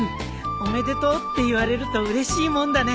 おめでとうって言われるとうれしいもんだね。